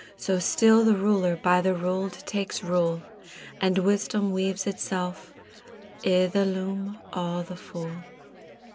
So still the ruler by the ruled takes rule, And wisdom weaves itself i' the loom o' the fool.